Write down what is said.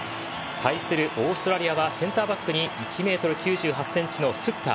対するオーストラリアはセンターバックに１ｍ９８ｃｍのスッター。